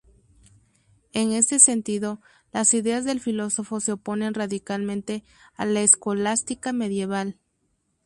En este sentido, las ideas del filósofo se oponen radicalmente a la escolástica medieval.